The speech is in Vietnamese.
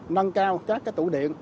nâng cao các tụ điện